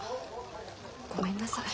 ごめんなさい。